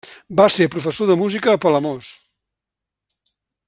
Va ser professor de música a Palamós.